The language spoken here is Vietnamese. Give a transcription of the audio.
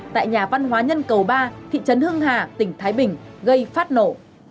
tại nhà văn hóa nhân cầu ba thị trấn hưng hà tỉnh thái bình gây phát nổ